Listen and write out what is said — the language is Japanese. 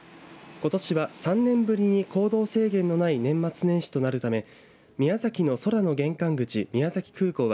ことしは３年ぶりに行動制限のない年末年始となるため宮崎の空の玄関口宮崎空港は